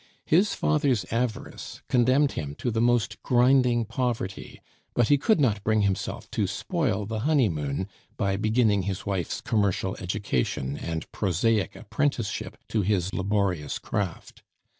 His father's avarice condemned him to the most grinding poverty, but he could not bring himself to spoil the honeymoon by beginning his wife's commercial education and prosaic apprenticeship to his laborious craft.